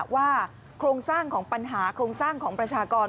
โครงสร้างของปัญหาโครงสร้างของประชากร